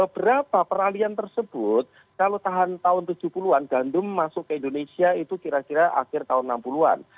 berapa peralian tersebut kalau tahan tahun tujuh puluh an gandum masuk ke indonesia itu kira kira akhir tahun enam puluh an